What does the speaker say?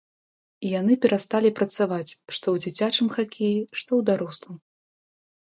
І яны перасталі працаваць што ў дзіцячым хакеі, што ў дарослым.